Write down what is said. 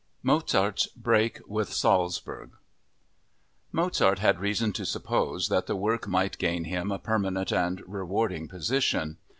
Mozart's Break with Salzburg Mozart had reason to suppose that the work might gain him a permanent and rewarding position.